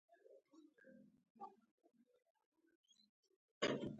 د خلکو د پوهاوي کچه لوړه شي.